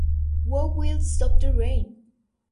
Who Will Stop the Rain?